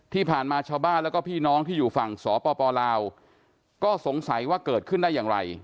ที่ผ่านมาชาวบ้านแล้วก็พี่น้องที่อยู่ฝั่งสปลาวก็สงสัยว่าเกิดขึ้นได้อย่างไร